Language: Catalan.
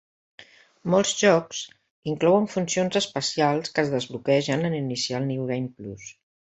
Molts jocs inclouen funcions especials que es desbloquegen en iniciar un New Game Plus.